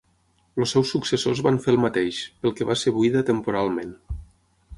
Els seus successors van fer el mateix, pel que va ser buida temporalment.